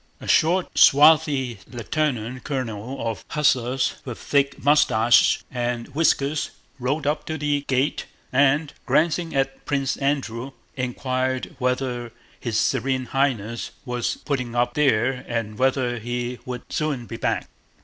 A short, swarthy lieutenant colonel of hussars with thick mustaches and whiskers rode up to the gate and, glancing at Prince Andrew, inquired whether his Serene Highness was putting up there and whether he would soon be back.